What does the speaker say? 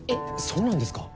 そうなんですか？